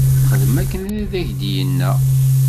Xdem akken i ak-d-yenna.